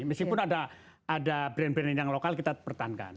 meskipun ada brand brand yang lokal kita pertahankan